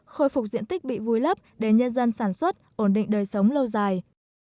khôi phục diện tích bị vùi lấp để nhân dân sản xuất ổn định đời sống lâu dài